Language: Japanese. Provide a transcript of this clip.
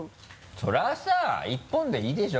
それはさ１本でいいでしょ？